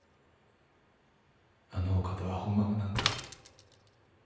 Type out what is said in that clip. あのお方はほんまは何という。